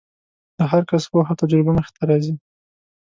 د هر کس پوهه او تجربه مخې ته راځي.